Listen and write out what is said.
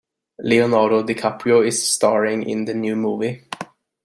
Leonardo DiCaprio is staring in the new movie.